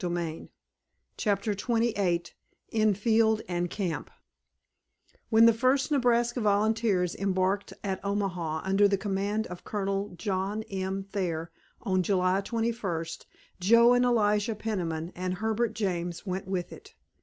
*CHAPTER XXVIII* *IN FIELD AND CAMP* When the First Nebraska Volunteers embarked at Omaha under the command of Colonel John M. Thayer, on July twenty first, Joe and Elijah Peniman and Herbert James went with it.